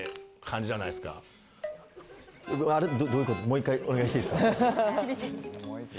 もう１回お願いしていいですか。